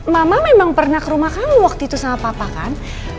mama memang pernah ke rumah kamu waktu itu sama papa kan